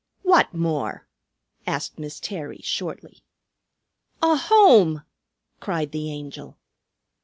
"What more?" asked Miss Terry shortly. "A home!" cried the Angel.